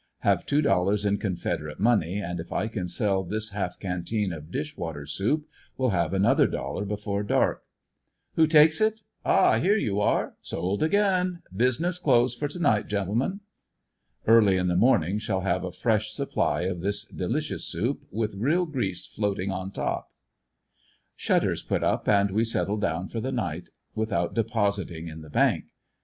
Have two dollars in Confederate money and if I can sell this half canteen of dish water soup shall have another dollar before dark, ''Who takes it? Ah, here ye are! Sold again; business closed for to night, gentlemen. Early in the morning shall have a fresh sup ply of this delicious soup, with real grease floating on top." Shut ters put np and we settle down for the night without depositing in the bank.